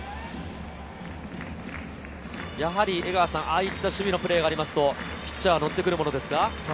やはりああいった守備のプレーがあると、ピッチャーはノってくるものですか？